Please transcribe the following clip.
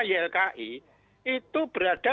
ylki itu berada